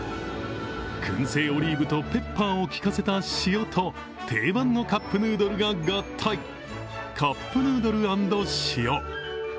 燻製オリーブとペッパーを効かせたしおと定番のカップヌードルが合体、カップヌードル＆しお。